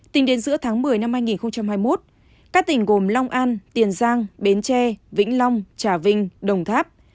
tính đến giữa tháng một mươi năm hai nghìn hai mươi một các tỉnh gồm long an tiền giang bến tre vĩnh long trà vinh đồng tháp